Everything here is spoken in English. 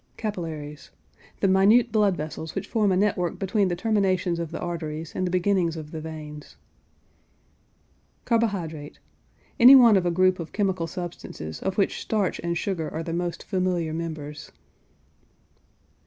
CAPILLARIES. The minute blood vessels which form a network between the terminations of the arteries and the beginnings of the veins. CARBOHYDRATE. Any one of a group of chemical substances of which starch and sugar are the most familiar members.